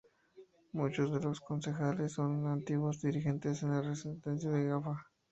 Muchos de los concejales son los antiguos dirigentes de la Resistencia Jaffa.